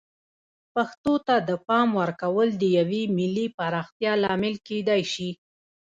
پښتو ته د پام ورکول د یوې ملي پراختیا لامل کیدای شي.